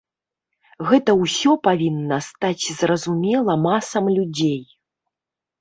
Гэта ўсё павінна стаць зразумела масам людзей.